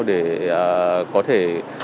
để có thể